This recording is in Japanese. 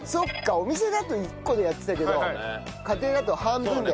お店だと１個でやってたけど家庭だと半分で。